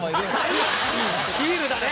ヒールだね！